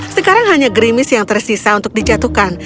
sekarang hanya grimis yang tersisa untuk dijatuhkan